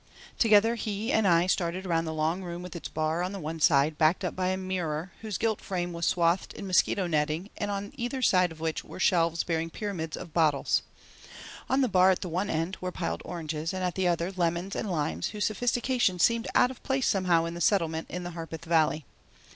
Together he and I started around the long room with its bar on the one side backed up by a mirror whose gilt frame was swathed in mosquito netting and on either side of which were shelves bearing pyramids of bottles. On the bar at one end were piled oranges and at the other lemons and limes whose sophistication seemed out of place somehow in the Settlement in the Harpeth Valley.